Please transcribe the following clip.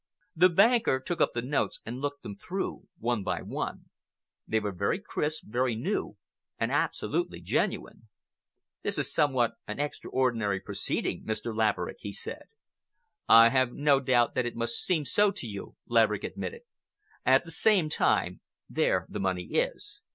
The banker took up the notes and looked them through, one by one. They were very crisp, very new, and absolutely genuine. "This is somewhat an extraordinary proceeding, Mr. Laverick," he said. "I have no doubt that it must seem so to you," Laverick admitted. "At the same time, there the money is.